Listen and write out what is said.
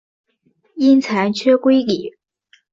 因裁缺归里。